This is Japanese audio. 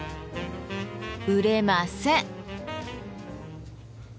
売れません。